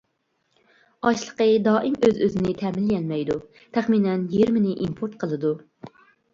ئاشلىقى دائىم ئۆز ئۆزىنى تەمىنلىيەلمەيدۇ، تەخمىنەن يېرىمىنى ئىمپورت قىلىدۇ.